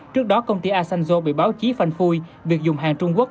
trước đó công ty asanzo bị báo chí phanh phui việc dùng hàng trung quốc